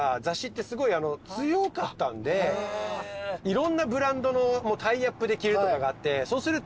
いろんなブランドのタイアップで着るとかがあってそうすると。